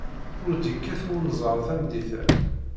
Ur d-yekkat wenẓar tameddit-a.